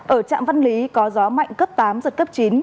ở trạm văn lý có gió mạnh cấp tám giật cấp chín